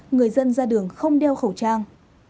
người dân ra đường không đeo khẩu trang